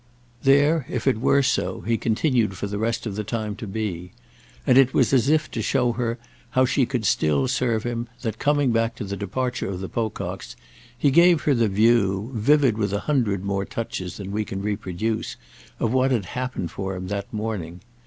There, if it were so, he continued for the rest of the time to be, and it was as if to show her how she could still serve him that, coming back to the departure of the Pococks, he gave her the view, vivid with a hundred more touches than we can reproduce, of what had happened for him that morning.